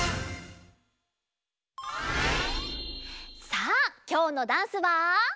さあきょうのダンスは。